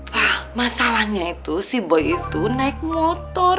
pa masalahnya itu si boy itu naik motor